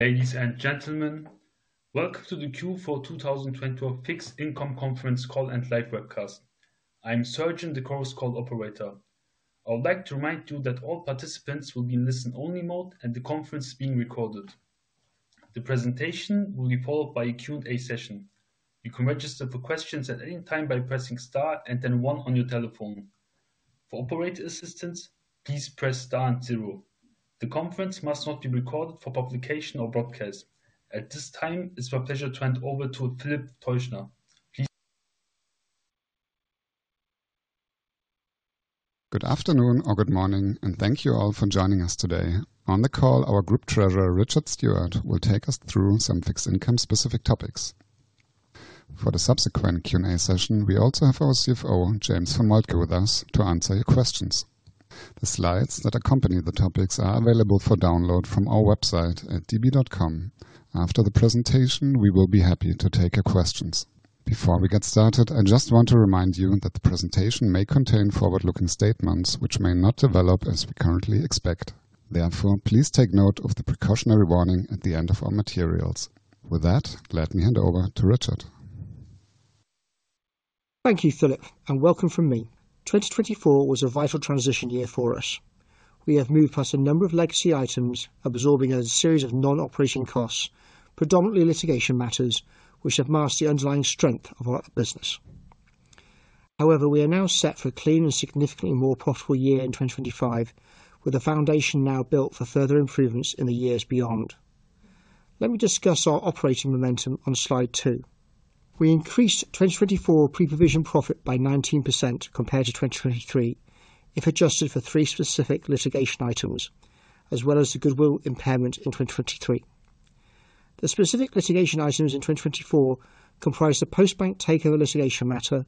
Ladies and gentlemen, welcome to the Q4 2024 Fixed Income Conference call and live webcast. I am Sajaan, the conference operator. I would like to remind you that all participants will be in listen-only mode and the conference is being recorded. The presentation will be followed by a Q&A session. You can register for questions at any time by pressing Star and then 1 on your telephone. For operator assistance, please press Star and 0. The conference must not be recorded for publication or broadcast. At this time, it's my pleasure to hand over to Philip Teuchner. Please. Good afternoon or good morning, and thank you all for joining us today. On the call, our Group Treasurer, Richard Stewart, will take us through some fixed income-specific topics. For the subsequent Q&A session, we also have our CFO, James von Moltke, with us to answer your questions. The slides that accompany the topics are available for download from our website at db.com. After the presentation, we will be happy to take your questions. Before we get started, I just want to remind you that the presentation may contain forward-looking statements which may not develop as we currently expect. Therefore, please take note of the precautionary warning at the end of our materials. With that, let me hand over to Richard. Thank you, Philip, and welcome from me. 2024 was a vital transition year for us. We have moved past a number of legacy items, absorbing a series of non-operating costs, predominantly litigation matters, which have masked the underlying strength of our business. However, we are now set for a clean and significantly more profitable year in 2025, with a foundation now built for further improvements in the years beyond. Let me discuss our operating momentum on slide two. We increased 2024 pre-provision profit by 19% compared to 2023, if adjusted for three specific litigation items, as well as the goodwill impairment in 2023. The specific litigation items in 2024 comprised the Postbank takeover litigation matter,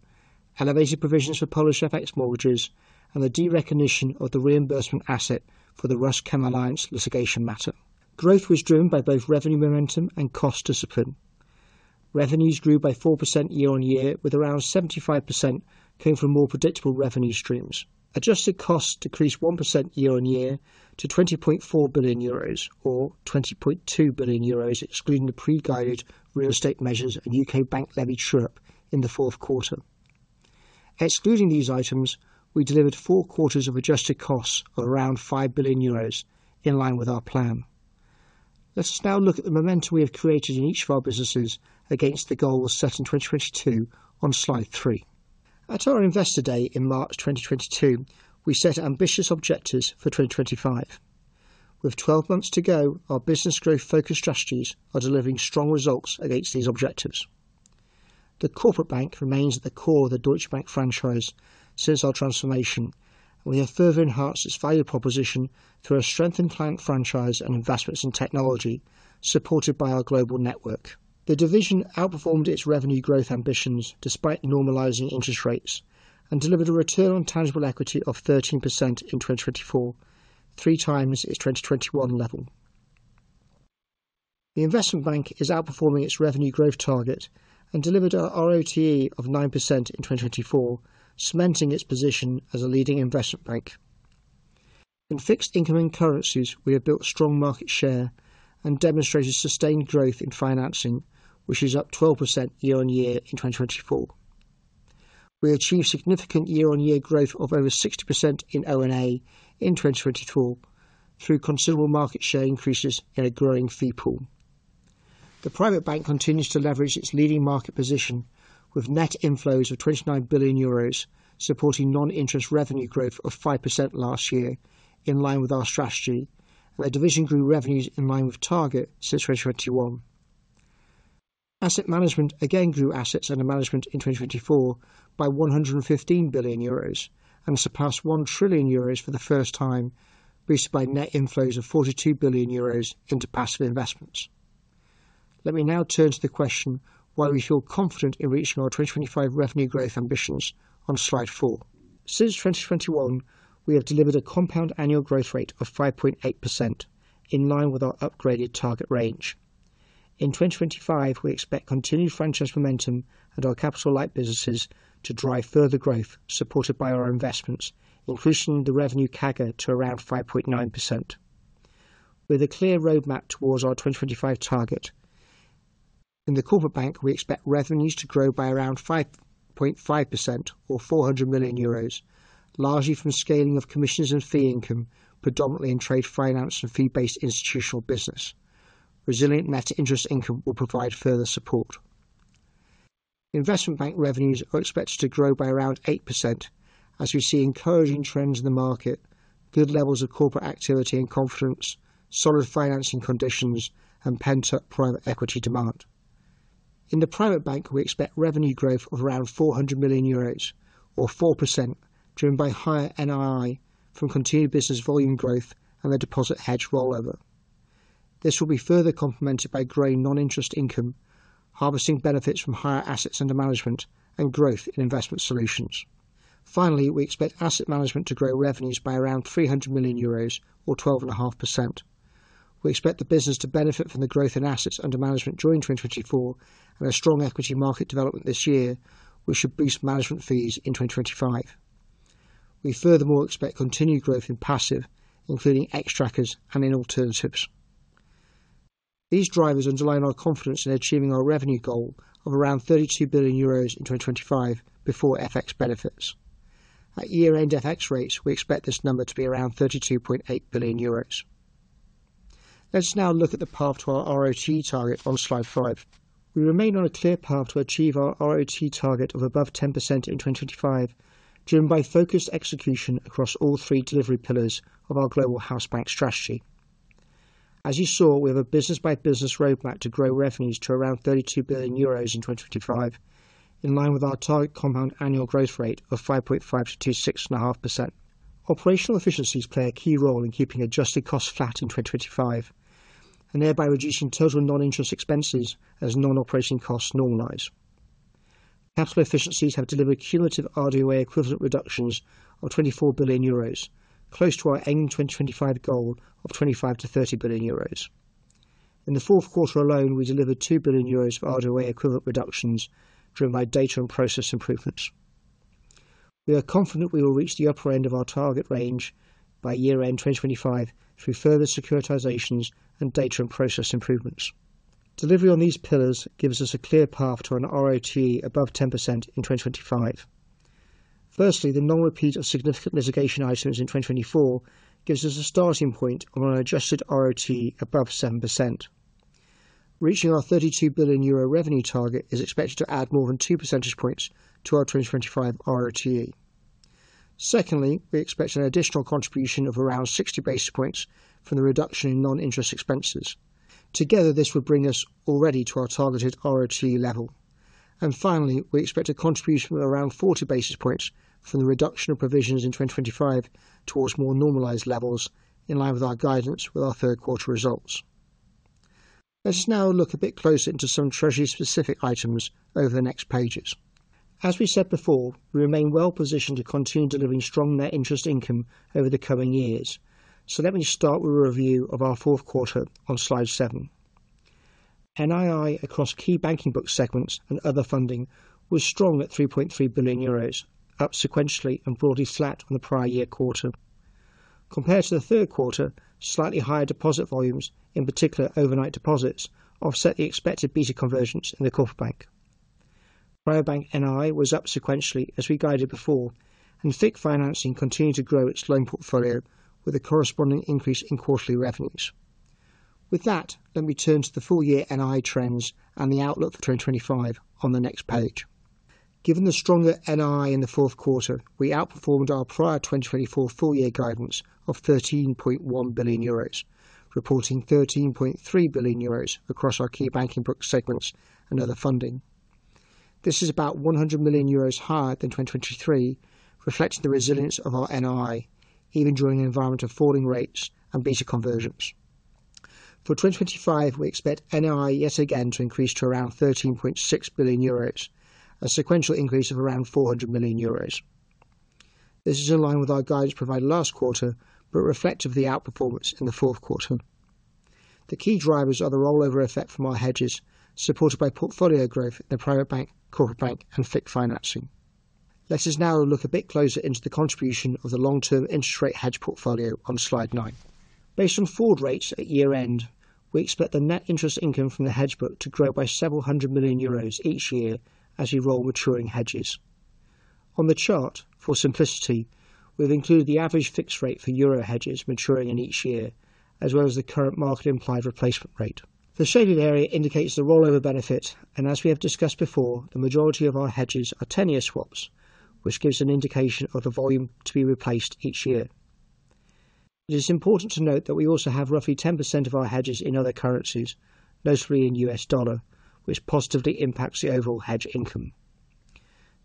elevated provisions for Polish FX mortgages, and the derecognition of the reimbursement asset for the RusChemAlliance litigation matter. Growth was driven by both revenue momentum and cost discipline. Revenues grew by 4% year on year, with around 75% coming from more predictable revenue streams. Adjusted costs decreased 1% year on year to 20.4 billion euros, or 20.2 billion euros, excluding the pre-guided real estate measures and UK bank levy catch-up in the fourth quarter. Excluding these items, we delivered four quarters of adjusted costs of around 5 billion euros, in line with our plan. Let us now look at the momentum we have created in each of our businesses against the goals set in 2022 on slide three. At our Investor Day in March 2022, we set ambitious objectives for 2025. With 12 months to go, our business growth-focused strategies are delivering strong results against these objectives. The corporate bank remains at the core of the Deutsche Bank franchise since our transformation, and we have further enhanced its value proposition through a strengthened client franchise and investments in technology, supported by our global network. The division outperformed its revenue growth ambitions despite normalizing interest rates and delivered a return on tangible equity of 13% in 2024, three times its 2021 level. The investment bank is outperforming its revenue growth target and delivered an ROTE of 9% in 2024, cementing its position as a leading investment bank. In fixed income and currencies, we have built strong market share and demonstrated sustained growth in financing, which is up 12% year on year in 2024. We achieved significant year-on-year growth of over 60% in O&A in 2024 through considerable market share increases in a growing fee pool. The private bank continues to leverage its leading market position, with net inflows of EUR 29 billion, supporting non-interest revenue growth of 5% last year, in line with our strategy, where division grew revenues in line with target since 2021. Asset management again grew assets under management in 2024 by 115 billion euros and surpassed 1 trillion euros for the first time, boosted by net inflows of 42 billion euros into passive investments. Let me now turn to the question why we feel confident in reaching our 2025 revenue growth ambitions on slide four. Since 2021, we have delivered a compound annual growth rate of 5.8%, in line with our upgraded target range. In 2025, we expect continued franchise momentum and our capital-like businesses to drive further growth, supported by our investments, increasing the revenue CAGR to around 5.9%. With a clear roadmap towards our 2025 target, in the Corporate Bank, we expect revenues to grow by around 5.5%, or 400 million euros, largely from scaling of commissions and fee income, predominantly in trade finance and fee-based institutional business. Resilient net interest income will provide further support. Investment Bank revenues are expected to grow by around 8%, as we see encouraging trends in the market, good levels of corporate activity and confidence, solid financing conditions, and pent-up private equity demand. In the Private Bank, we expect revenue growth of around 400 million euros, or 4%, driven by higher NII from continued business volume growth and the deposit hedge rollover. This will be further complemented by growing non-interest income, harvesting benefits from higher assets under management, and growth in investment solutions. Finally, we expect Asset Management to grow revenues by around 300 million euros, or 12.5%. We expect the business to benefit from the growth in assets under management during 2024 and a strong equity market development this year, which should boost management fees in 2025. We furthermore expect continued growth in passive, including Xtrackers and in alternatives. These drivers underline our confidence in achieving our revenue goal of around EUR 32 billion in 2025 before FX benefits. At year-end FX rates, we expect this number to be around EUR 32.8 billion. Let us now look at the path to our ROTE target on slide five. We remain on a clear path to achieve our ROTE target of above 10% in 2025, driven by focused execution across all three delivery pillars of our Global House Bank strategy. As you saw, we have a business-by-business roadmap to grow revenues to around 32 billion euros in 2025, in line with our target compound annual growth rate of 5.5% to 6.5%. Operational efficiencies play a key role in keeping adjusted costs flat in 2025, and thereby reducing total non-interest expenses as non-operating costs normalize. Capital efficiencies have delivered cumulative RDOA equivalent reductions of 24 billion euros, close to our ending 2025 goal of 25 billion-30 billion euros. In the fourth quarter alone, we delivered 2 billion euros of RDOA equivalent reductions, driven by data and process improvements. We are confident we will reach the upper end of our target range by year-end 2025 through further securitizations and data and process improvements. Delivery on these pillars gives us a clear path to an ROTE above 10% in 2025. Firstly, the non-repeat of significant litigation items in 2024 gives us a starting point on an adjusted ROTE above 7%. Reaching our 32 billion euro revenue target is expected to add more than 2 percentage points to our 2025 ROTE. Secondly, we expect an additional contribution of around 60 basis points from the reduction in non-interest expenses. Together, this would bring us already to our targeted ROTE level, and finally, we expect a contribution of around 40 basis points from the reduction of provisions in 2025 towards more normalized levels, in line with our guidance with our third quarter results. Let us now look a bit closer into some treasury-specific items over the next pages. As we said before, we remain well-positioned to continue delivering strong net interest income over the coming years, so let me start with a review of our fourth quarter on slide seven. NII across key banking book segments and other funding was strong at 3.3 billion euros, up sequentially and broadly flat on the prior year quarter. Compared to the third quarter, slightly higher deposit volumes, in particular overnight deposits, offset the expected beta convergence in the Corporate Bank. Private Bank NII was up sequentially, as we guided before, and FIC financing continued to grow its loan portfolio with a corresponding increase in quarterly revenues. With that, let me turn to the full-year NII trends and the outlook for 2025 on the next page. Given the stronger NII in the fourth quarter, we outperformed our prior 2024 full-year guidance of 13.1 billion euros, reporting 13.3 billion euros across our key banking book segments and other funding. This is about 100 million euros higher than 2023, reflecting the resilience of our NII, even during an environment of falling rates and beta convergence. For 2025, we expect NII yet again to increase to around 13.6 billion euros, a sequential increase of around 400 million euros. This is in line with our guidance provided last quarter, but reflective of the outperformance in the fourth quarter. The key drivers are the rollover effect from our hedges, supported by portfolio growth in the Private Bank, Corporate Bank, and FIC financing. Let us now look a bit closer into the contribution of the long-term interest rate hedge portfolio on slide nine. Based on forward rates at year-end, we expect the net interest income from the hedge book to grow by several hundred million EUR each year as we roll maturing hedges. On the chart, for simplicity, we've included the average fixed rate for Euro hedges maturing in each year, as well as the current market-implied replacement rate. The shaded area indicates the rollover benefit, and as we have discussed before, the majority of our hedges are 10-year swaps, which gives an indication of the volume to be replaced each year. It is important to note that we also have roughly 10% of our hedges in other currencies, mostly in US dollar, which positively impacts the overall hedge income.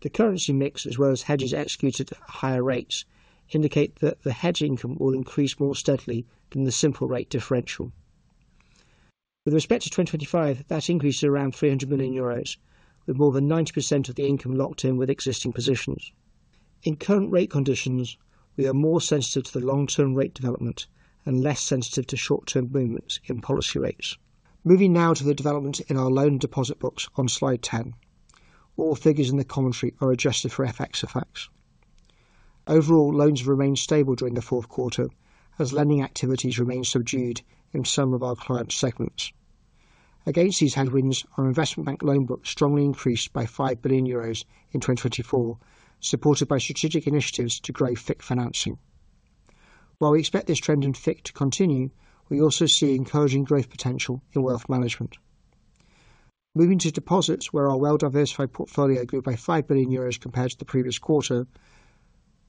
The currency mix, as well as hedges executed at higher rates, indicate that the hedge income will increase more steadily than the simple rate differential. With respect to 2025, that increase is around 300 million euros, with more than 90% of the income locked in with existing positions. In current rate conditions, we are more sensitive to the long-term rate development and less sensitive to short-term movements in policy rates. Moving now to the development in our loan and deposit books on slide 10. All figures in the commentary are adjusted for FX effects. Overall, loans have remained stable during the fourth quarter, as lending activities remain subdued in some of our client segments. Against these headwinds, our investment bank loan book strongly increased by 5 billion euros in 2024, supported by strategic initiatives to grow FIC financing. While we expect this trend in FIC to continue, we also see encouraging growth potential in wealth management. Moving to deposits, where our well-diversified portfolio grew by 5 billion euros compared to the previous quarter.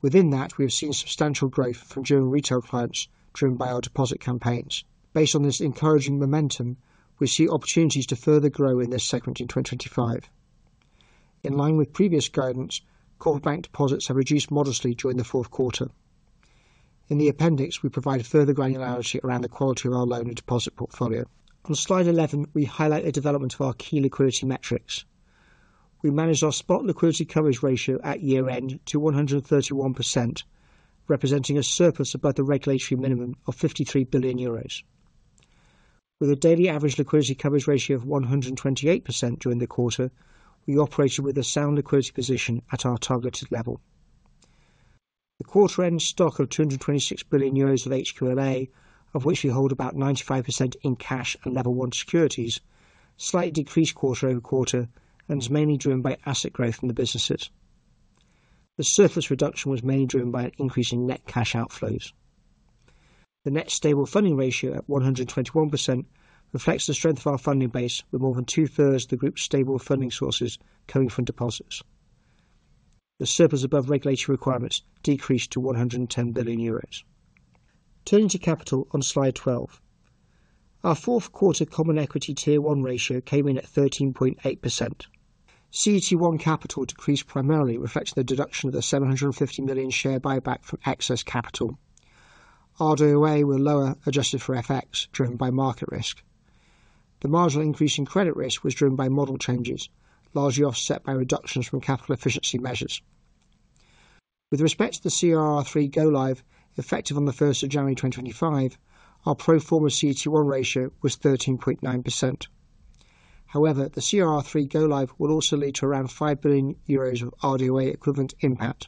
Within that, we have seen substantial growth from German retail clients, driven by our deposit campaigns. Based on this encouraging momentum, we see opportunities to further grow in this segment in 2025. In line with previous guidance, corporate bank deposits have reduced modestly during the fourth quarter. In the appendix, we provide further granularity around the quality of our loan and deposit portfolio. On slide 11, we highlight the development of our key liquidity metrics. We manage our spot liquidity coverage ratio at year-end to 131%, representing a surplus above the regulatory minimum of 53 billion euros. With a daily average liquidity coverage ratio of 128% during the quarter, we operated with a sound liquidity position at our targeted level. The quarter-end stock of 226 billion euros of HQLA, of which we hold about 95% in cash and level one securities, slightly decreased quarter over quarter and is mainly driven by asset growth in the businesses. The surplus reduction was mainly driven by an increase in net cash outflows. The net stable funding ratio at 121% reflects the strength of our funding base, with more than two-thirds of the group's stable funding sources coming from deposits. The surplus above regulatory requirements decreased to 110 billion euros. Turning to capital on slide 12, our fourth quarter common equity tier one ratio came in at 13.8%. CET1 capital decreased primarily, reflecting the deduction of the 750 million share buyback from excess capital. RWAs were lower, adjusted for FX, driven by market risk. The marginal increase in credit risk was driven by model changes, largely offset by reductions from capital efficiency measures. With respect to the CRR3 go-live, effective on the 1st of January 2025, our pro forma CET1 ratio was 13.9%. However, the CRR3 go-live will also lead to around 5 billion euros of RWA equivalent impact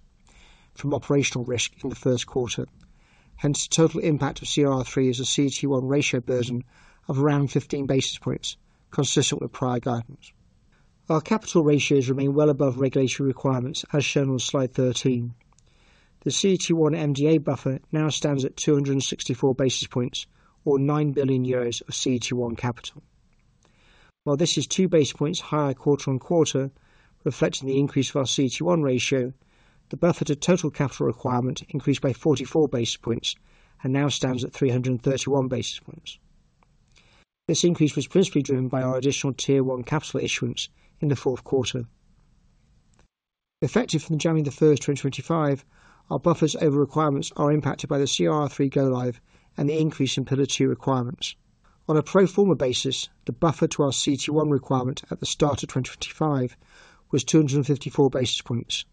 from operational risk in the first quarter. Hence, the total impact of CRR3 is a CET1 ratio burden of around 15 basis points, consistent with prior guidance. Our capital ratios remain well above regulatory requirements, as shown on slide 13. The CET1 MDA buffer now stands at 264 basis points, or 9 billion euros of CET1 capital. While this is two basis points higher quarter on quarter, reflecting the increase of our CET1 ratio, the buffer to total capital requirement increased by 44 basis points and now stands at 331 basis points. This increase was principally driven by our additional tier one capital issuance in the fourth quarter. Effective from the January 1st, 2025, our buffer's over requirements are impacted by the CRR3 go-live and the increase in pillar two requirements. On a pro forma basis, the buffer to our CET1 requirement at the start of 2025 was 254 basis points,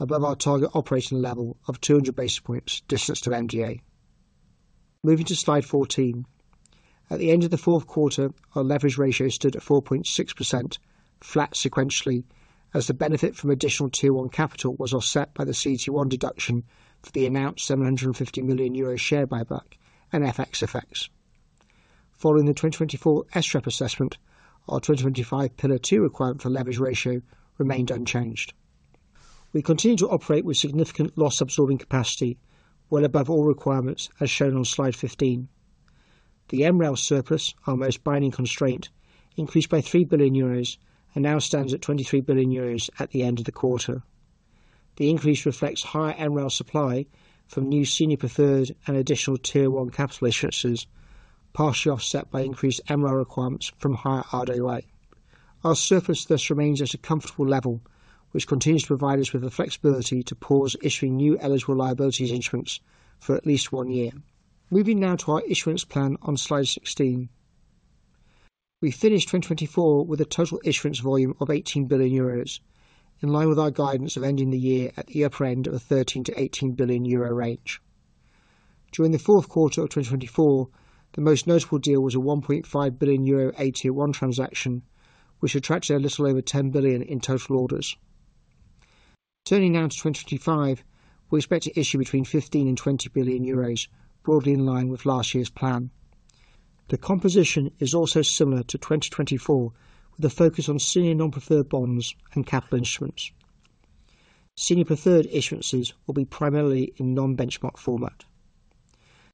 above our target operating level of 200 basis points distanced of MDA. Moving to slide 14, at the end of the fourth quarter, our leverage ratio stood at 4.6%, flat sequentially, as the benefit from Additional Tier 1 capital was offset by the CET1 deduction for the announced 750 million euro share buyback and FX effects. Following the 2024 SREP assessment, our 2025 Pillar 2 requirement for leverage ratio remained unchanged. We continue to operate with significant loss absorbing capacity, well above all requirements, as shown on slide 15. The MREL surplus, our most binding constraint, increased by 3 billion euros and now stands at 23 billion euros at the end of the quarter. The increase reflects higher MREL supply from new senior preferred and Additional Tier 1 capital issuances, partially offset by increased MREL requirements from higher RWA. Our surplus thus remains at a comfortable level, which continues to provide us with the flexibility to pause issuing new eligible liabilities issuance for at least one year. Moving now to our issuance plan on slide 16, we finished 2024 with a total issuance volume of 18 billion euros, in line with our guidance of ending the year at the upper end of the 13 billion to 18 billion euro range. During the fourth quarter of 2024, the most notable deal was a 1.5 billion euro AT1 transaction, which attracted a little over 10 billion in total orders. Turning now to 2025, we expect to issue between 15 billion and 20 billion euros, broadly in line with last year's plan. The composition is also similar to 2024, with a focus on senior non-preferred bonds and capital instruments. Senior preferred issuances will be primarily in non-benchmark format.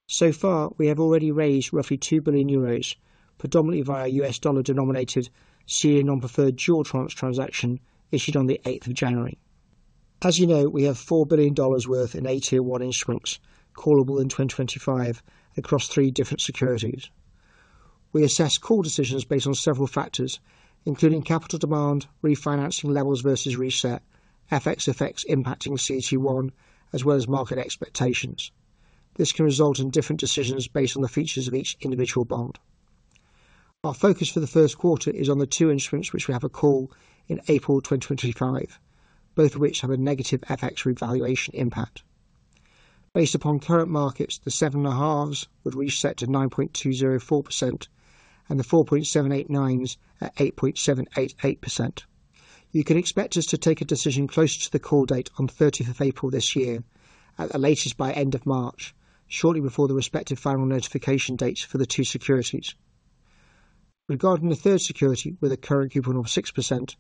So far, we have already raised roughly 2 billion euros, predominantly via US dollar denominated senior non-preferred dual tranche transaction issued on the 8th of January. As you know, we have $4 billion worth in AT1 instruments callable in 2025 across three different securities. We assess call decisions based on several factors, including capital demand, refinancing levels versus reset, FX effects impacting CET1, as well as market expectations. This can result in different decisions based on the features of each individual bond. Our focus for the first quarter is on the two instruments which we have a call in April 2025, both of which have a negative FX revaluation impact. Based upon current markets, the seven and a halves would reset to 9.204% and the 4.789s at 8.788%. You can expect us to take a decision closer to the call date on 30th of April this year, at the latest by end of March, shortly before the respective final notification dates for the two securities. Regarding the third security with a current coupon of 6%,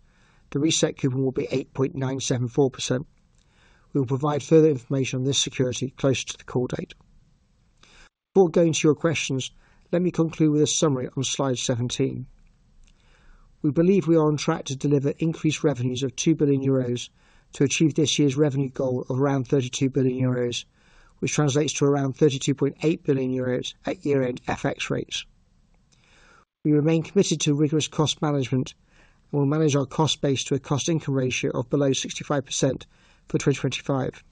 the reset coupon will be 8.974%. We will provide further information on this security closer to the call date. Before going to your questions, let me conclude with a summary on slide 17. We believe we are on track to deliver increased revenues of 2 billion euros to achieve this year's revenue goal of around 32 billion euros, which translates to around 32.8 billion euros at year-end FX rates. We remain committed to rigorous cost management and will manage our cost base to a cost income ratio of below 65% for 2025.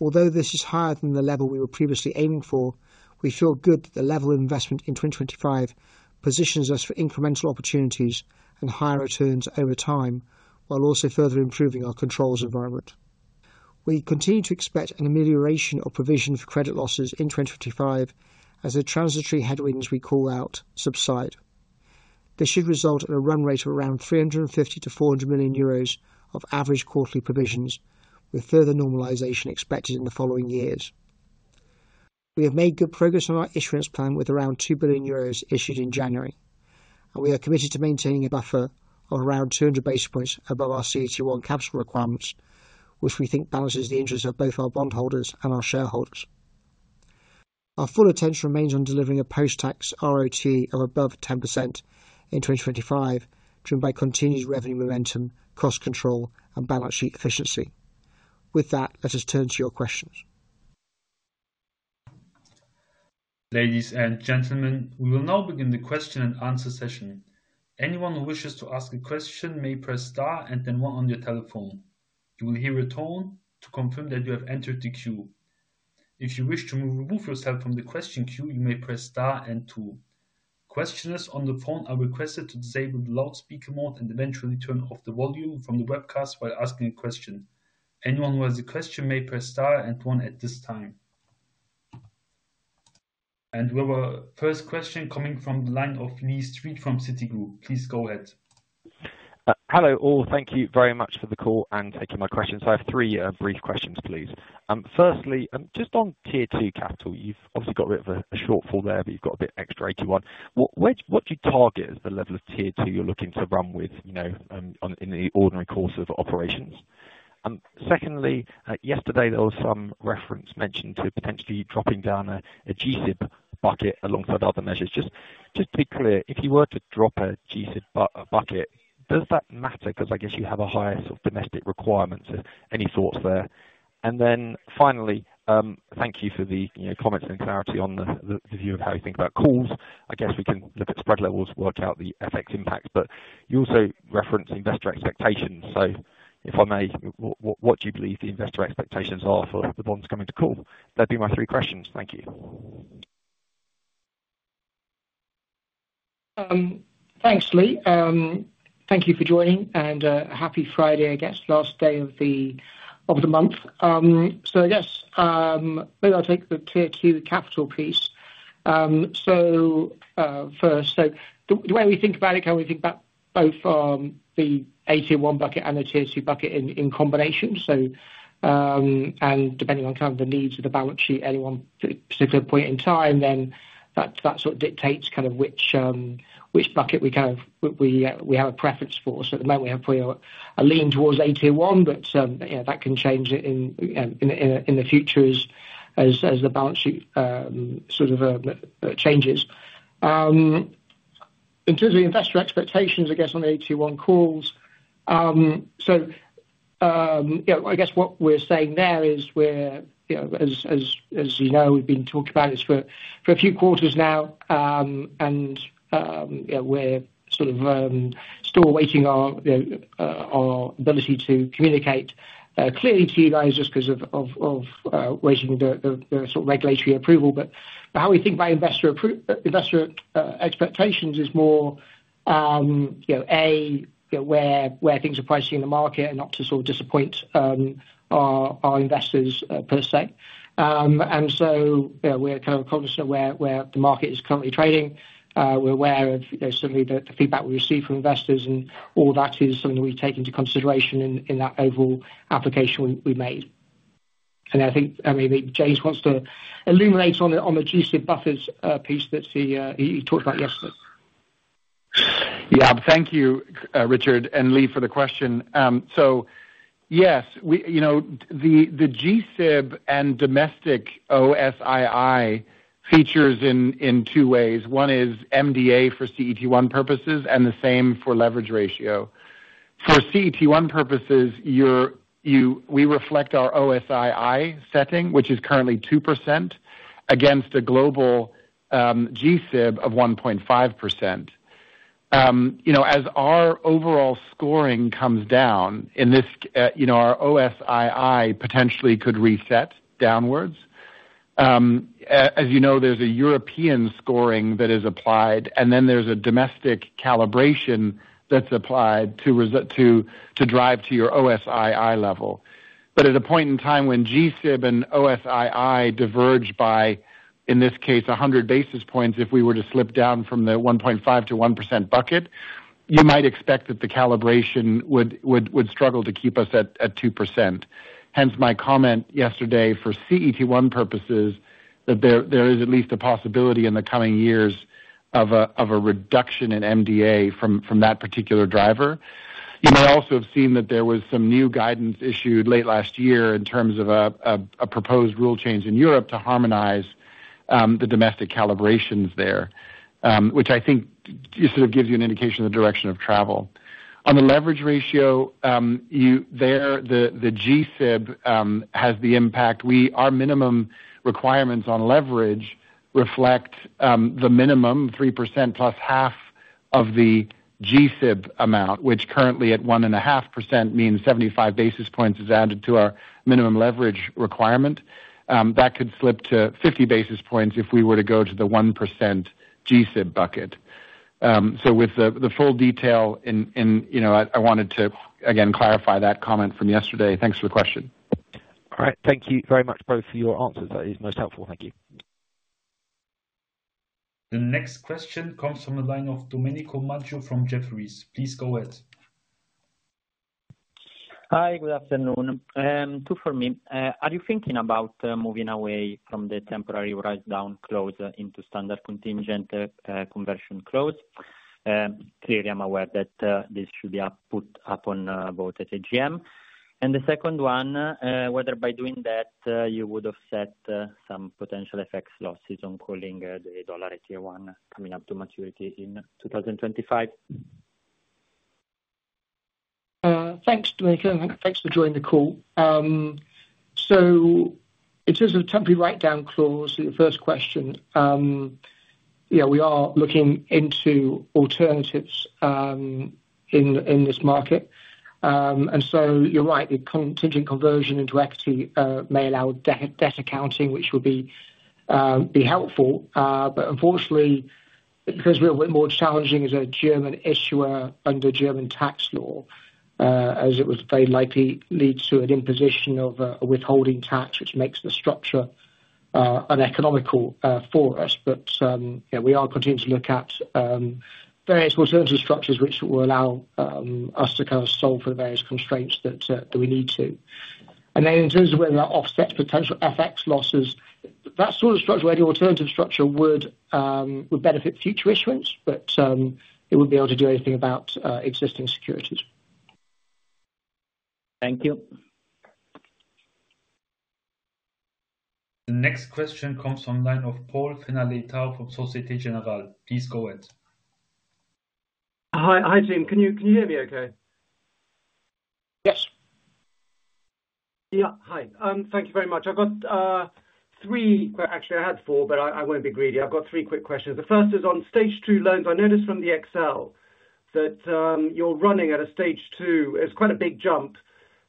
Although this is higher than the level we were previously aiming for, we feel good that the level of investment in 2025 positions us for incremental opportunities and higher returns over time, while also further improving our controls environment. We continue to expect an amelioration of provision for credit losses in 2025, as the transitory headwinds we call out subside. This should result in a run rate of around 350-400 million euros of average quarterly provisions, with further normalization expected in the following years. We have made good progress on our issuance plan with around 2 billion euros issued in January, and we are committed to maintaining a buffer of around 200 basis points above our CET1 capital requirements, which we think balances the interest of both our bondholders and our shareholders. Our full attention remains on delivering a post-tax ROTE of above 10% in 2025, driven by continued revenue momentum, cost control, and balance sheet efficiency. With that, let us turn to your questions. Ladies and gentlemen, we will now begin the question and answer session. Anyone who wishes to ask a question may press star and then one on their telephone. You will hear a tone to confirm that you have entered the queue. If you wish to remove yourself from the question queue, you may press star and two. Questioners on the phone are requested to disable the loudspeaker mode and eventually turn off the volume from the webcast while asking a question. Anyone who has a question may press star and one at this time, and we have a first question coming from the line of Lee Street from Citigroup. Please go ahead. Hello, all. Thank you very much for the call and taking my questions. I have three brief questions, please. Firstly, just on Tier 2 capital, you've obviously got rid of a shortfall there, but you've got a bit extra 81. What do you target as the level of Tier 2 you're looking to run with in the ordinary course of operations? Secondly, yesterday there was some reference mentioned to potentially dropping down a G-SIB bucket alongside other measures. Just to be clear, if you were to drop a G-SIB bucket, does that matter? Because I guess you have a higher sort of domestic requirement. Any thoughts there? And then finally, thank you for the comments and clarity on the view of how you think about calls. I guess we can look at spread levels, work out the FX impact, but you also reference investor expectations. So if I may, what do you believe the investor expectations are for the bonds coming to call? That'd be my three questions. Thank you. Thanks, Lee. Thank you for joining and happy Friday, I guess, last day of the month. So I guess maybe I'll take the Tier 2 Capital piece. So first, the way we think about it, how we think about both the AT1 bucket and the Tier 2 bucket in combination. And depending on kind of the needs of the balance sheet at any one particular point in time, then that sort of dictates kind of which bucket we have a preference for. So at the moment, we have a lean towards AT1, but that can change in the future as the balance sheet sort of changes. In terms of investor expectations, I guess, on the AT1 calls, so I guess what we're saying there is, as you know, we've been talking about this for a few quarters now, and we're sort of still awaiting our ability to communicate clearly to you guys just because of waiting for the sort of regulatory approval. But how we think about investor expectations is more at, where things are pricing in the market and not to sort of disappoint our investors per say. And so we're kind of cognizant of where the market is currently trading. We're aware of certainly the feedback we receive from investors, and all that is something that we take into consideration in that overall application we made. And I think maybe James wants to illuminate on the G-SIB buffers piece that he talked about yesterday. Yeah, thank you, Richard and Lee for the question. So yes, the G-SIB and domestic O-SII factors in two ways. One is MDA for CET1 purposes and the same for leverage ratio. For CET1 purposes, we reflect our O-SII setting, which is currently 2% against a global G-SIB of 1.5%. As our overall scoring comes down in this, our O-SII potentially could reset downwards. As you know, there's a European scoring that is applied, and then there's a domestic calibration that's applied to drive to your O-SII level. But at a point in time when G-SIB and O-SII diverge by, in this case, 100 basis points, if we were to slip down from the 1.5%-1% bucket, you might expect that the calibration would struggle to keep us at 2%. Hence my comment yesterday for CET1 purposes, that there is at least a possibility in the coming years of a reduction in MDA from that particular driver. You may also have seen that there was some new guidance issued late last year in terms of a proposed rule change in Europe to harmonize the domestic calibrations there, which I think sort of gives you an indication of the direction of travel. On the leverage ratio, the GSIB has the impact. Our minimum requirements on leverage reflect the minimum 3% plus half of the GSIB amount, which currently at 1.5% means 75 basis points is added to our minimum leverage requirement. That could slip to 50 basis points if we were to go to the 1% GSIB bucket. So with the full detail, I wanted to again clarify that comment from yesterday. Thanks for the question. All right. Thank you very much, both, for your answers. That is most helpful. Thank you. The next question comes from the line of Domenico Maggio from Jefferies. Please go ahead. Hi, good afternoon. Two for me. Are you thinking about moving away from the temporary write-down clause into standard contingent conversion clause? Clearly, I'm aware that this should be put up on both at AGM. And the second one, whether by doing that, you would have set some potential FX losses on calling the dollar AT1 coming up to maturity in 2025? Thanks, Domenico. Thanks for joining the call. So in terms of the temporary write-down clause, the first question, we are looking into alternatives in this market. And so you're right, the contingent conversion into equity may allow debt accounting, which would be helpful. But unfortunately, it becomes a little bit more challenging as a German issuer under German tax law, as it would very likely lead to an imposition of a withholding tax, which makes the structure uneconomical for us. But we are continuing to look at various alternative structures, which will allow us to kind of solve for the various constraints that we need to. And then in terms of whether that offsets potential FX losses, that sort of structure, any alternative structure would benefit future issuance, but it wouldn't be able to do anything about existing securities. Thank you. The next question comes from the line of Paul Fenner-Leitao from Societe Generale. Please go ahead. Hi, Tim. Can you hear me okay? Yes. Yeah. Hi. Thank you very much. I've got three quick actually, I had four, but I won't be greedy. I've got three quick questions. The first is on Stage 2 loans. I noticed from the Excel that you're running at a Stage 2. It's quite a big jump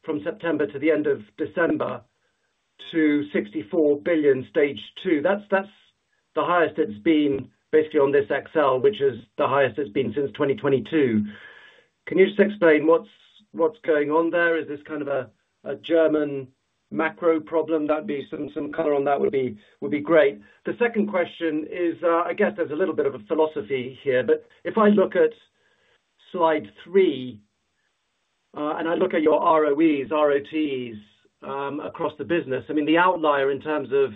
from September to the end of December to 64 billion Stage 2. That's the highest it's been basically on this Excel, which is the highest it's been since 2022. Can you just explain what's going on there? Is this kind of a German macro problem? That'd be some color on that would be great. The second question is, I guess there's a little bit of a philosophy here, but if I look at slide three and I look at your ROEs, ROTEs across the business, I mean, the outlier in terms of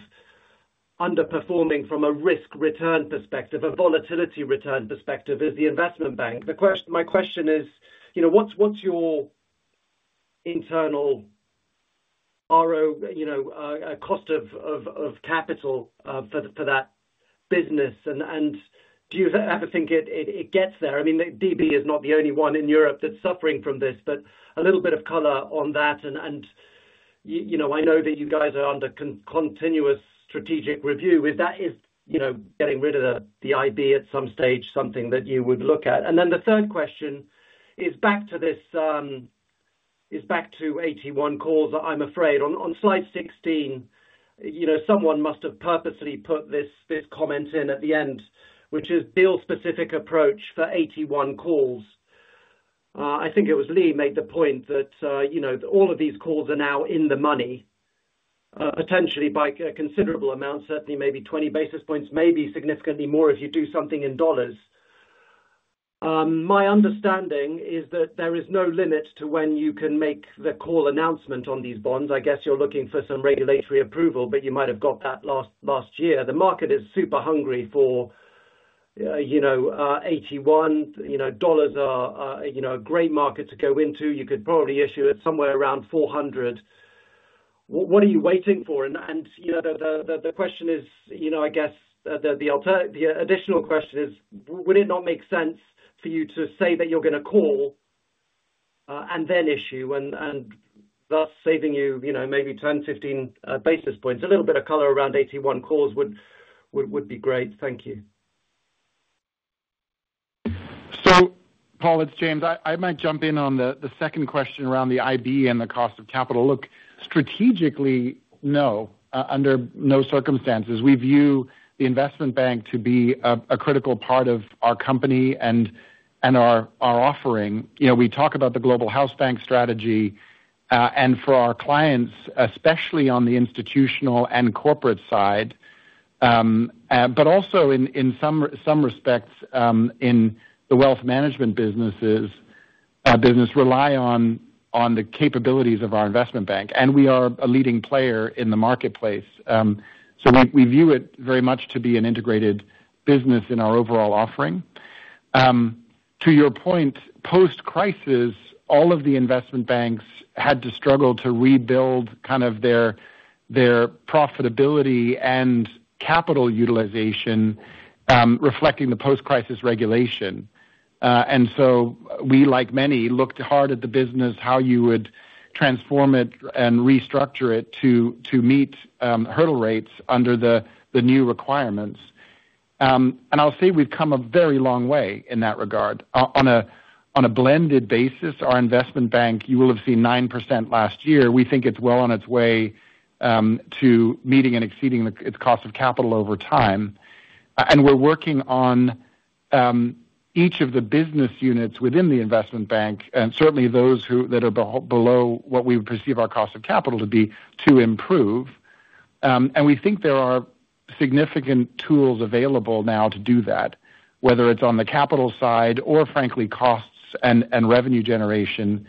underperforming from a risk return perspective, a volatility return perspective is the Investment Bank. My question is, what's your internal cost of capital for that business? And do you ever think it gets there? I mean, DB is not the only one in Europe that's suffering from this, but a little bit of color on that. And I know that you guys are under continuous strategic review. Is that getting rid of the IB at some stage something that you would look at? And then the third question is back to AT1 calls, I'm afraid. On slide 16, someone must have purposely put this comment in at the end, which is deal-specific approach for AT1 calls. I think it was Lee made the point that all of these calls are now in the money, potentially by a considerable amount, certainly maybe 20 basis points, maybe significantly more if you do something in dollars. My understanding is that there is no limit to when you can make the call announcement on these bonds. I guess you're looking for some regulatory approval, but you might have got that last year. The market is super hungry for AT1. Dollars are a great market to go into. You could probably issue it somewhere around 400. What are you waiting for? And the question is, I guess the additional question is, would it not make sense for you to say that you're going to call and then issue, and thus saving you maybe 10-15 basis points? A little bit of color around AT1 calls would be great. Thank you. So, Paul, it's James. I might jump in on the second question around the IB and the cost of capital. Look, strategically, no, under no circumstances. We view the investment bank to be a critical part of our company and our offering. We talk about the Global House Bank strategy and for our clients, especially on the institutional and corporate side, but also in some respects in the wealth management businesses rely on the capabilities of our Investment Bank. And we are a leading player in the marketplace. So we view it very much to be an integrated business in our overall offering. To your point, post-crisis, all of the investment banks had to struggle to rebuild kind of their profitability and capital utilization, reflecting the post-crisis regulation. And so we, like many, looked hard at the business, how you would transform it and restructure it to meet hurdle rates under the new requirements. And I'll say we've come a very long way in that regard. On a blended basis, our Investment Bank, you will have seen 9% last year. We think it's well on its way to meeting and exceeding its cost of capital over time. And we're working on each of the business units within the Investment Bank, and certainly those that are below what we perceive our cost of capital to be, to improve. And we think there are significant tools available now to do that, whether it's on the capital side or, frankly, costs and revenue generation.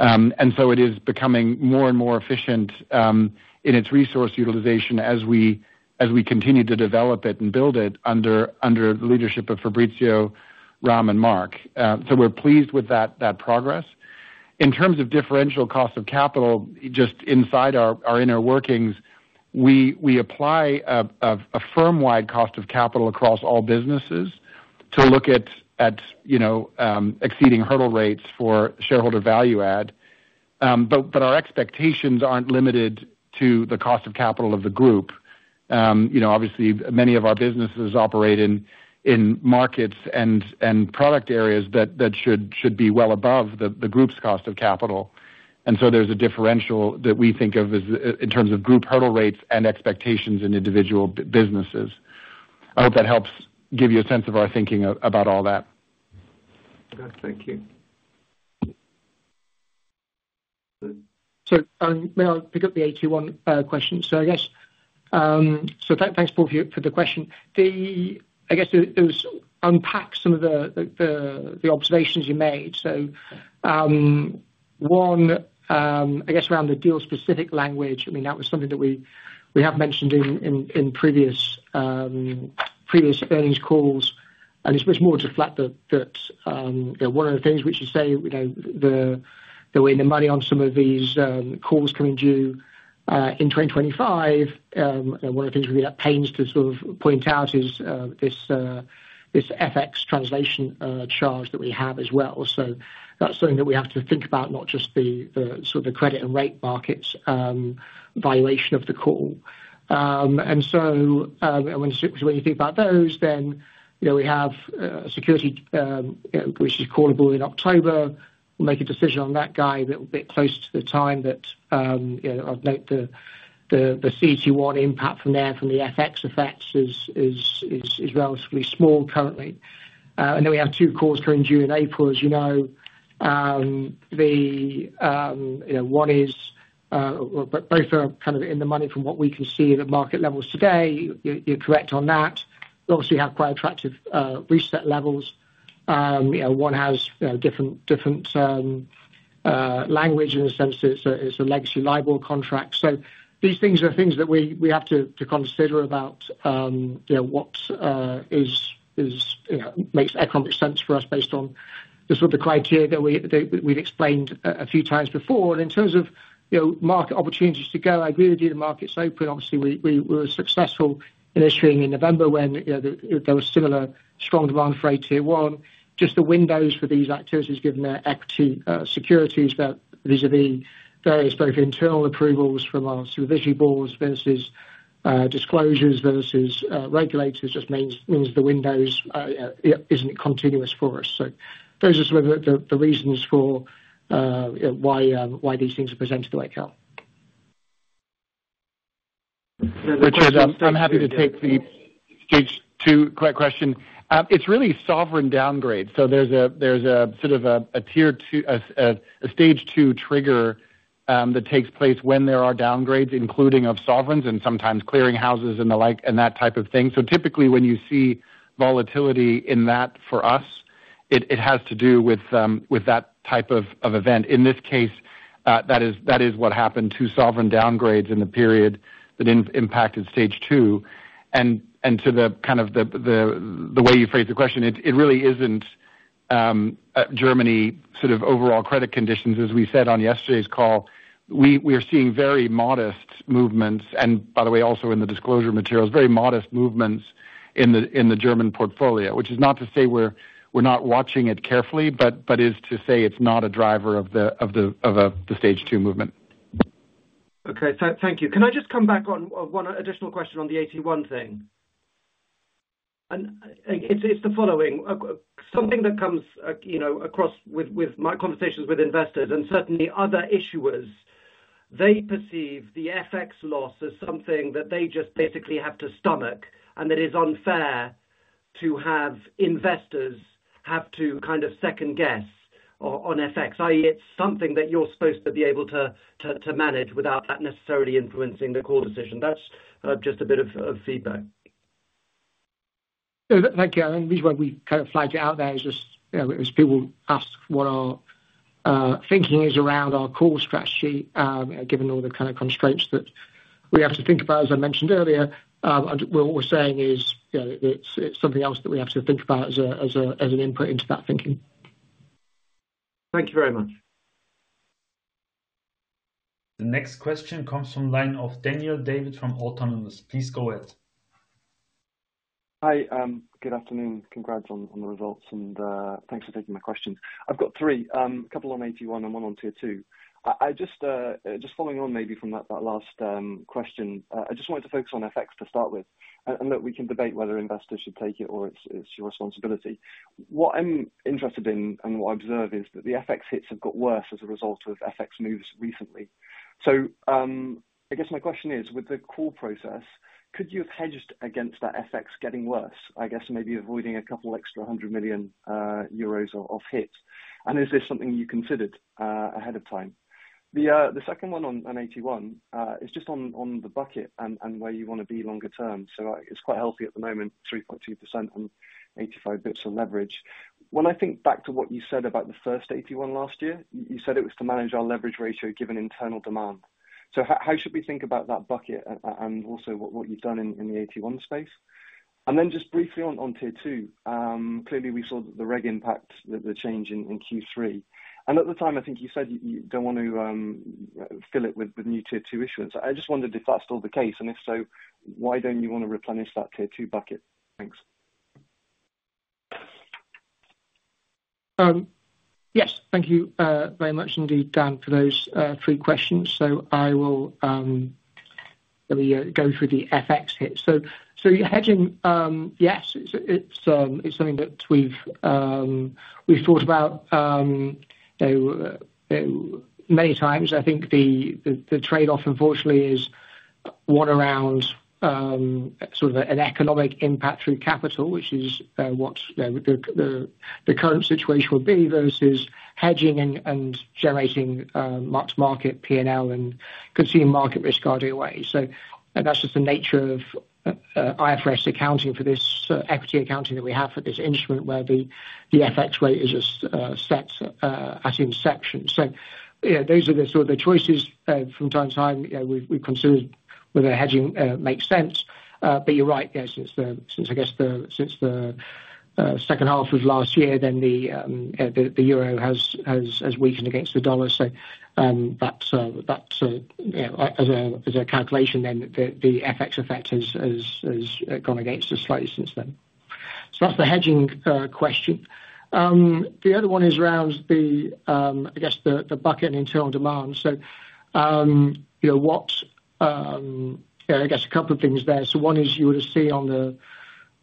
And so it is becoming more and more efficient in its resource utilization as we continue to develop it and build it under the leadership of Fabrizio, Ram, and Mark. So we're pleased with that progress. In terms of differential cost of capital, just inside our inner workings, we apply a firm-wide cost of capital across all businesses to look at exceeding hurdle rates for shareholder value add. But our expectations aren't limited to the cost of capital of the group. Obviously, many of our businesses operate in markets and product areas that should be well above the group's cost of capital. And so there's a differential that we think of in terms of group hurdle rates and expectations in individual businesses. I hope that helps give you a sense of our thinking about all that. Thank you. Sorry, may I pick up the AT1 question? So I guess, thanks, Paul, for the question. I guess to unpack some of the observations you made. So one, I guess, around the deal-specific language. I mean, that was something that we have mentioned in previous earnings calls. And it's more to add that one of the things which you say that we're in the money on some of these calls coming due in 2025. One of the things we've been at pains to sort of point out is this FX translation charge that we have as well. So that's something that we have to think about, not just the sort of the credit and rate markets valuation of the call. And so when you think about those, then we have security, which is callable in October. We'll make a decision on that guy a little bit closer to the time. I'll note the CET1 impact from there from the FX effects is relatively small currently. And then we have two calls coming due in April, as you know. One is both are kind of in the money from what we can see at market levels today. You're correct on that. Obviously, we have quite attractive reset levels. One has different language in the sense that it's a legacy LIBOR contract. So these things are things that we have to consider about what makes economic sense for us based on the sort of the criteria that we've explained a few times before. And in terms of market opportunities to go, I agree with you. The market's open. Obviously, we were successful in issuing in November when there was similar strong demand for AT1. Just the windows for these activities given their equity securities vis-à-vis various both internal approvals from our supervision boards versus disclosures versus regulators, just means the windows isn't continuous for us. So those are sort of the reasons for why these things are presented to the wake-up. Richard, I'm happy to take the two quick questions. It's really sovereign downgrade. So there's a sort of a Tier 2, a Stage 2 trigger that takes place when there are downgrades, including of sovereigns and sometimes clearing houses and the like and that type of thing. So typically, when you see volatility in that for us, it has to do with that type of event. In this case, that is what happened to sovereign downgrades in the period that impacted Stage 2. And to the kind of the way you phrased the question, it really isn't Germany's sort of overall credit conditions. As we said on yesterday's call, we are seeing very modest movements. And by the way, also in the disclosure materials, very modest movements in the German portfolio, which is not to say we're not watching it carefully, but is to say it's not a driver of the Stage 2 movement. Okay. Thank you. Can I just come back on one additional question on the AT1 thing? And it's the following. Something that comes across with my conversations with investors and certainly other issuers, they perceive the FX loss as something that they just basically have to stomach and that it is unfair to have investors have to kind of second-guess on FX, i.e., it's something that you're supposed to be able to manage without that necessarily influencing the call decision. That's just a bit of feedback. Thank you. And the reason why we kind of flagged it out there is just as people ask what our thinking is around our call strategy, given all the kind of constraints that we have to think about, as I mentioned earlier, what we're saying is it's something else that we have to think about as an input into that thinking. Thank you very much. The next question comes from the line of Daniel David from Autonomous. Please go ahead. Hi. Good afternoon. Congrats on the results. And thanks for taking my questions. I've got three, a couple on AT1 and one on tier two. Just following on maybe from that last question, I just wanted to focus on FX to start with. And look, we can debate whether investors should take it or it's your responsibility. What I'm interested in and what I observe is that the FX hits have got worse as a result of FX moves recently. So I guess my question is, with the call process, could you have hedged against that FX getting worse, I guess, maybe avoiding 200 million euros of hit? And is this something you considered ahead of time? The second one on AT1 is just on the bucket and where you want to be longer term. So it's quite healthy at the moment, 3.2% and 85 basis points of leverage. When I think back to what you said about the first AT1 last year, you said it was to manage our leverage ratio given internal demand. So how should we think about that bucket and also what you've done in the AT1 space? And then just briefly on Tier 2, clearly we saw the reg impact, the change in Q3. And at the time, I think you said you don't want to fill it with new Tier 2 issuance. I just wondered if that's still the case. And if so, why don't you want to replenish that Tier 2 bucket? Thanks. Yes. Thank you very much indeed, Dan, for those three questions. So I will go through the FX hit. So hedging, yes, it's something that we've thought about many times. I think the trade-off, unfortunately, is one around sort of an economic impact through capital, which is what the current situation would be versus hedging and generating market P&L and consumer market risk earlier ways. So that's just the nature of IFRS accounting for this equity accounting that we have for this instrument where the FX rate is just set at inception. So those are the sort of the choices from time to time. We've considered whether hedging makes sense. But you're right, since I guess the second half of last year, then the euro has weakened against the dollar. So that's as a calculation then, the FX effect has gone against us slightly since then. So that's the hedging question. The other one is around, I guess, the bucket and internal demand. So what, I guess, a couple of things there. So one is you would have seen on the,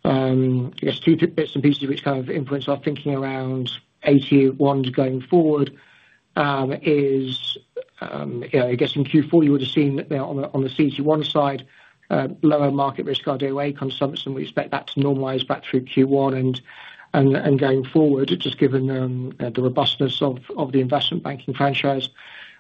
I guess, two bits and pieces which kind of influence our thinking around AT1 going forward is, I guess, in Q4, you would have seen on the CET1 side, lower market risk RWA consumption. We expect that to normalize back through Q1 and going forward, just given the robustness of the investment banking franchise.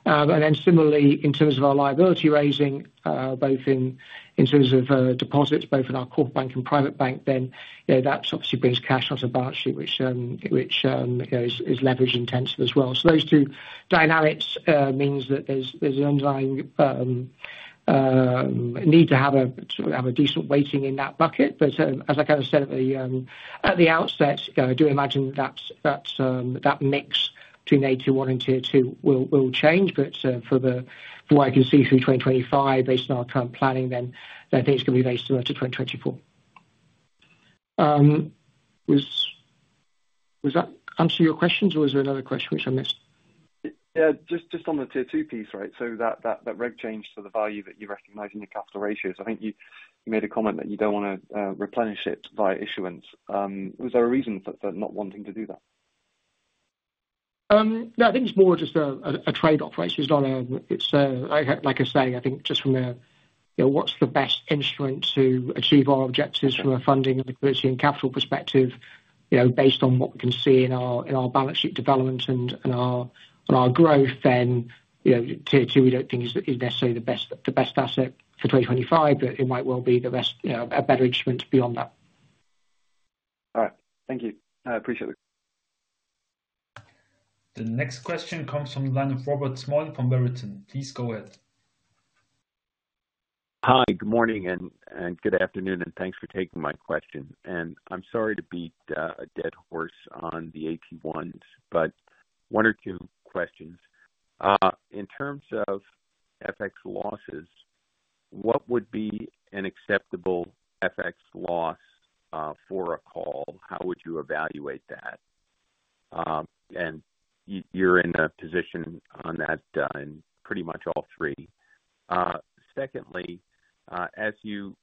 And then similarly, in terms of our liability raising, both in terms of deposits, both in our corporate bank and private bank, then that obviously brings cash out of balance sheet, which is leverage intensive as well. So those two dynamics means that there's an underlying need to have a decent weighting in that bucket. But as I kind of said at the outset, I do imagine that mix between AT1 and Tier 2 will change. But from what I can see through 2025, based on our current planning, then I think it's going to be very similar to 2024. Was that answer your questions, or was there another question which I missed? Yeah. Just on the Tier 2 piece, right? So that reg change to the value that you recognize in your capital ratios. I think you made a comment that you don't want to replenish it via issuance. Was there a reason for not wanting to do that? No, I think it's more just a trade-off, right? It's not a, like I say, I think just from what's the best instrument to achieve our objectives from a funding and liquidity and capital perspective, based on what we can see in our balance sheet development and our growth, then Tier 2 we don't think is necessarily the best asset for 2025, but it might well be the best, a better instrument beyond that. All right. Thank you. I appreciate it. The next question comes from the line of Robert Small from Marathon. Please go ahead. Hi. Good morning and good afternoon, and thanks for taking my question. And I'm sorry to beat a dead horse on the AT1s, but one or two questions. In terms of FX losses, what would be an acceptable FX loss for a call? How would you evaluate that? And you're in a position on that in pretty much all three. Secondly, as you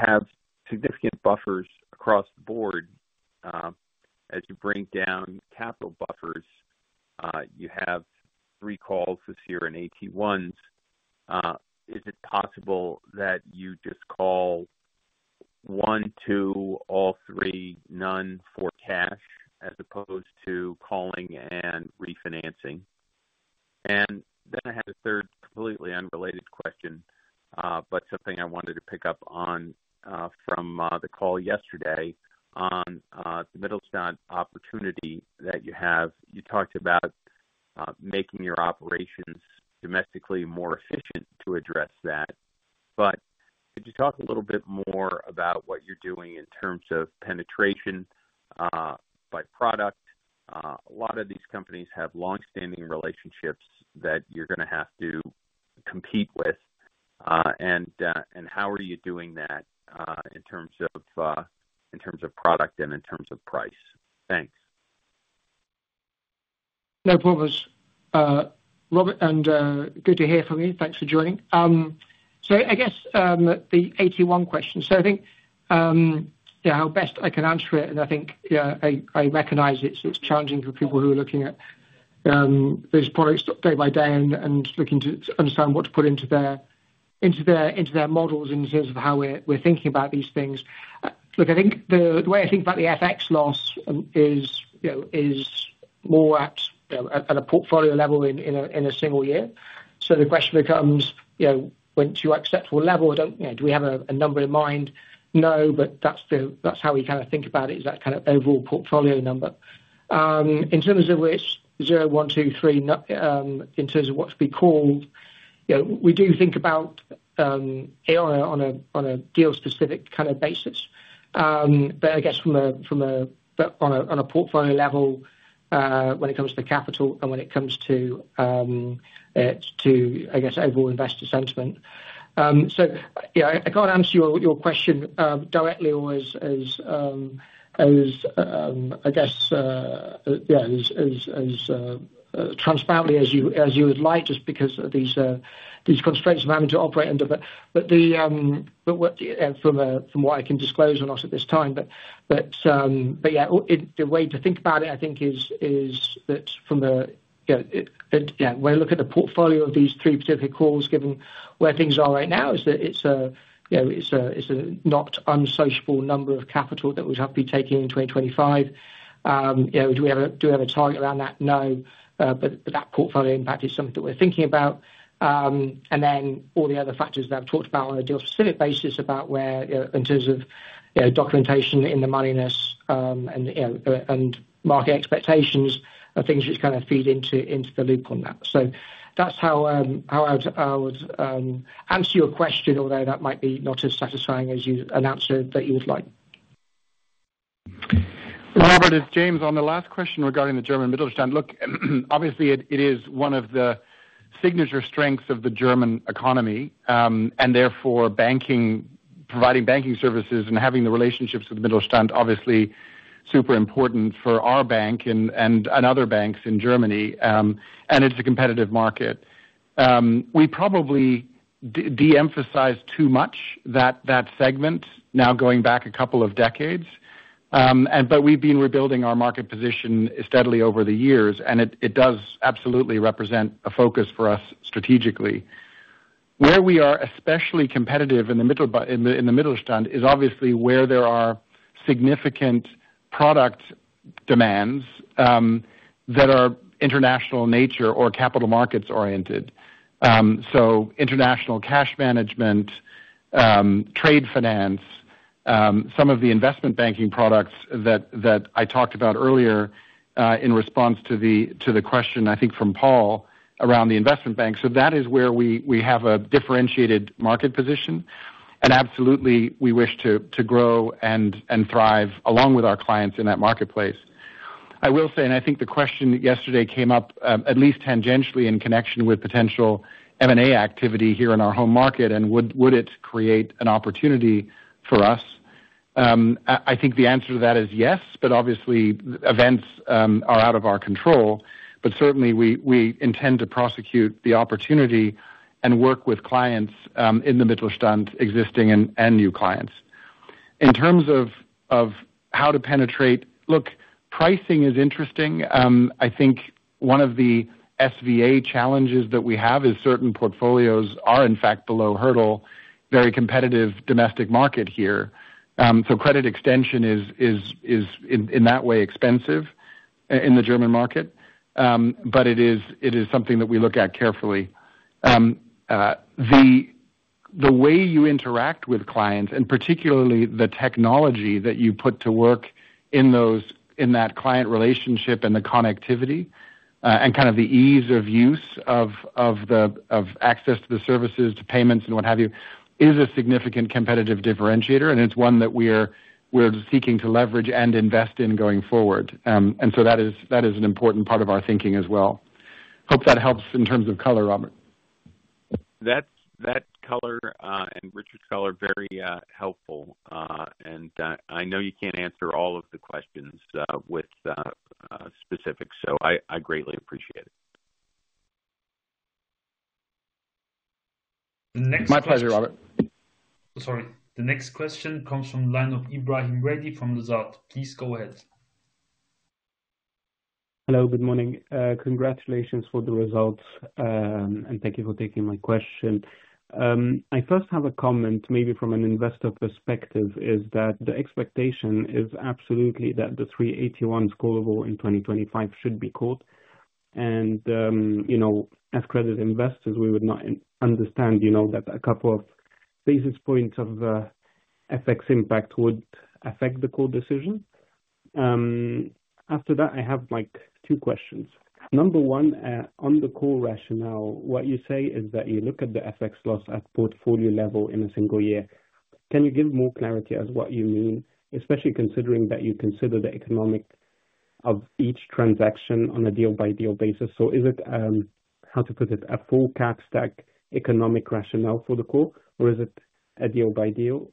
have significant buffers across the board, as you break down capital buffers, you have three calls this year in AT1s. Is it possible that you just call one, two, all three, none for cash as opposed to calling and refinancing? And then I have a third completely unrelated question, but something I wanted to pick up on from the call yesterday on the Mittelstand opportunity that you have. You talked about making your operations domestically more efficient to address that. But could you talk a little bit more about what you're doing in terms of penetration by product? A lot of these companies have long-standing relationships that you're going to have to compete with. And how are you doing that in terms of product and in terms of price? Thanks. No problem. Robert, and good to hear from you. Thanks for joining. So, I guess the AT1 question. I think how best I can answer it, and I think I recognize it's challenging for people who are looking at these products day by day and looking to understand what to put into their models in terms of how we're thinking about these things. Look, I think the way I think about the FX loss is more at a portfolio level in a single year. So the question becomes, when to accept a level, do we have a number in mind? No, but that's how we kind of think about it, is that kind of overall portfolio number. In terms of which zero, one, two, three, in terms of what to be called, we do think about AR on a deal-specific kind of basis. But I guess from a portfolio level, when it comes to capital and when it comes to, I guess, overall investor sentiment, so I can't answer your question directly or as, I guess, transparently as you would like, just because of these constraints of having to operate under, but from what I can disclose or not at this time, but the way to think about it, I think, is that when I look at the portfolio of these three particular calls, given where things are right now, it's not an insubstantial number of capital that we'd have to be taking in 2025. Do we have a target around that? No. But that portfolio impact is something that we're thinking about. And then all the other factors that I've talked about on a deal-specific basis about where in terms of documentation in the moneyless and market expectations are things which kind of feed into the loop on that. So that's how I would answer your question, although that might be not as satisfying as you answered that you would like. Robert, it's James on the last question regarding the German Mittelstand. Look, obviously, it is one of the signature strengths of the German economy and therefore providing banking services and having the relationships with the Mittelstand, obviously, super important for our bank and other banks in Germany. And it's a competitive market. We probably de-emphasize too much that segment now going back a couple of decades. But we've been rebuilding our market position steadily over the years, and it does absolutely represent a focus for us strategically. Where we are especially competitive in the Mittelstand is obviously where there are significant product demands that are of an international nature or capital markets oriented. So international cash management, trade finance, some of the investment banking products that I talked about earlier in response to the question, I think, from Paul around the investment bank, so that is where we have a differentiated market position. And absolutely, we wish to grow and thrive along with our clients in that marketplace. I will say, and I think the question yesterday came up at least tangentially in connection with potential M&A activity here in our home market, and would it create an opportunity for us? I think the answer to that is yes, but obviously, events are out of our control, but certainly, we intend to prosecute the opportunity and work with clients in the Mittelstand, existing and new clients. In terms of how to penetrate, look, pricing is interesting. I think one of the SVA challenges that we have is certain portfolios are, in fact, below hurdle, very competitive domestic market here. So credit extension is, in that way, expensive in the German market, but it is something that we look at carefully. The way you interact with clients, and particularly the technology that you put to work in that client relationship and the connectivity and kind of the ease of use of access to the services, to payments, and what have you, is a significant competitive differentiator, and it's one that we're seeking to leverage and invest in going forward. And so that is an important part of our thinking as well. Hope that helps in terms of color, Robert. That color and Richard's color are very helpful. And I know you can't answer all of the questions with specifics, so I greatly appreciate it. My pleasure, Robert. Sorry. The next question comes from the line of Ibrahim Merad from Lazard. Please go ahead. Hello. Good morning. Congratulations for the results, and thank you for taking my question. I first have a comment, maybe from an investor perspective, is that the expectation is absolutely that the three AT1s callable in 2025 should be called. And as credit investors, we would not understand that a couple of basis points of FX impact would affect the call decision. After that, I have two questions. Number one, on the call rationale, what you say is that you look at the FX loss at portfolio level in a single year. Can you give more clarity as to what you mean, especially considering that you consider the economics of each transaction on a deal-by-deal basis? So is it, how to put it, a full cash stack economics rationale for the call, or is it a deal-by-deal?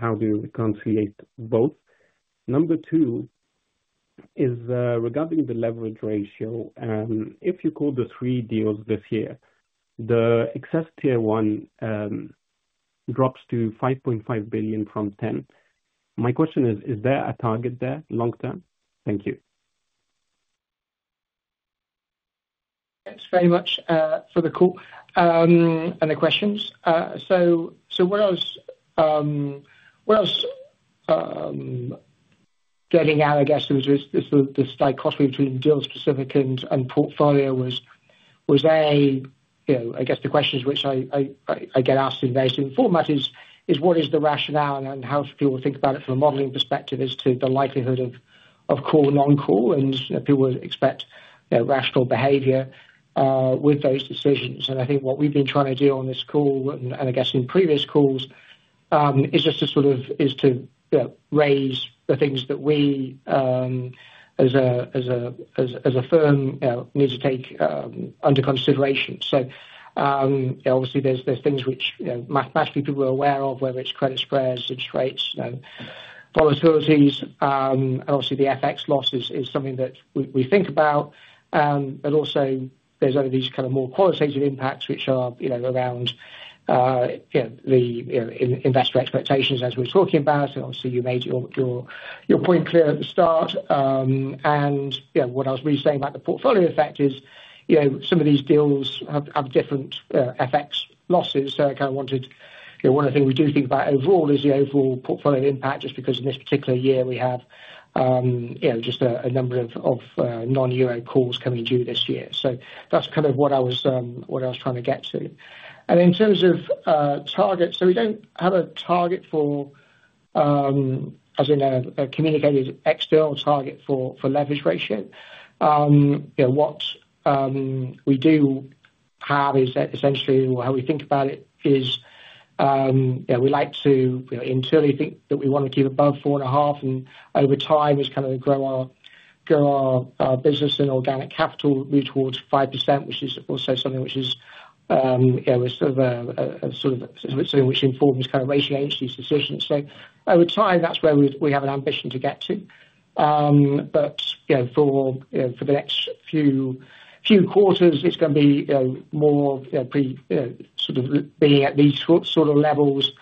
How do you reconcile both? Number two is regarding the leverage ratio. If you call the three deals this year, the excess Tier 1 drops to 5.5 billion from 10 billion. My question is, is there a target there long-term? Thank you. Thanks very much for the call and the questions. So what I was getting at, I guess, was the slight cross between deal-specific and portfolio was, I guess, the questions which I get asked in various different formats is, what is the rationale and how should people think about it from a modeling perspective as to the likelihood of call, non-call, and people would expect rational behavior with those decisions? And I think what we've been trying to do on this call, and I guess in previous calls, is just to sort of raise the things that we, as a firm, need to take under consideration. So obviously, there's things which mathematically people are aware of, whether it's credit spreads, interest rates, volatilities. And obviously, the FX loss is something that we think about. But also, there's these kind of more qualitative impacts which are around the investor expectations, as we're talking about. And obviously, you made your point clear at the start. And what I was really saying about the portfolio effect is some of these deals have different FX losses. So I kind of wanted one of the things we do think about overall is the overall portfolio impact, just because in this particular year, we have just a number of non-Euro calls coming due this year. So that's kind of what I was trying to get to. And in terms of targets, so we don't have a target for, as in a communicated external target for leverage ratio. What we do have is essentially, or how we think about it, is we like to internally think that we want to keep above 4.5%, and over time, it's kind of grow our business and organic capital towards 5%, which is also something which is sort of something which informs kind of rating agencies' decisions. So over time, that's where we have an ambition to get to. But for the next few quarters, it's going to be more sort of being at these sort of levels,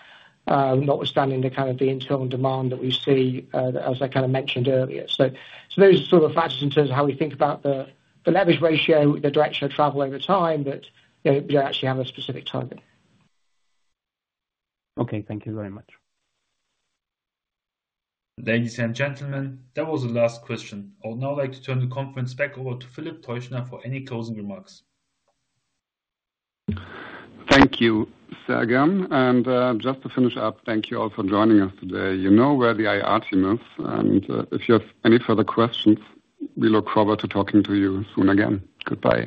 notwithstanding kind of the internal demand that we see, as I kind of mentioned earlier. So those are sort of factors in terms of how we think about the leverage ratio, the direction of travel over time, but we don't actually have a specific target. Okay. Thank you very much. Ladies and gentlemen, that was the last question. I would now like to turn the conference back over to Philip Teuchner for any closing remarks. Thank you, Sejaan. And just to finish up, thank you all for joining us today. You know where the IR team is. And if you have any further questions, we look forward to talking to you soon again. Goodbye.